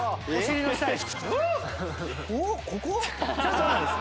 そうなんです。